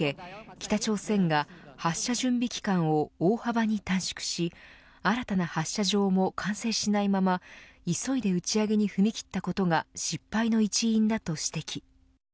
北朝鮮が発射準備期間を大幅に短縮し新たな発射場も完成しないまま急いで打ち上げに踏み切ったことが失敗の一因だと指摘。